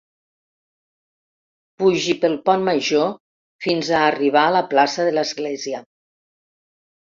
Pugi pel pont major fins a arribar a la plaça de l'església.